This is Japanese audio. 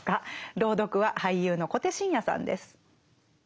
朗読は俳優の小手伸也さんです。